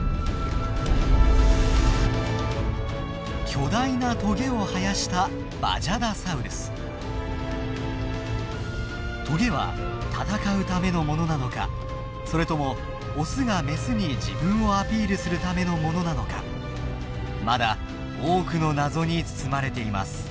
巨大なトゲを生やしたトゲは戦うためのものなのかそれともオスがメスに自分をアピールするためのものなのかまだ多くの謎に包まれています。